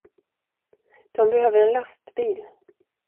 De behöver en lastbil.